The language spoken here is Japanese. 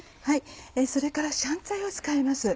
それから香菜を使います。